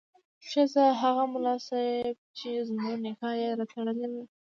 ښځه: هغه ملا صیب چې زموږ نکاح یې راتړلې وه